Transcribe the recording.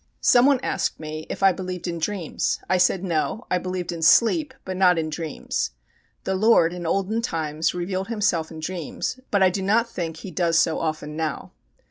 Someone asked me if I believed in dreams. I said, no; I believed in sleep, but not in dreams. The Lord, in olden times, revealed Himself in dreams, but I do not think He does so often now.